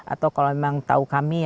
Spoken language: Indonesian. atau kalau memang tahu kami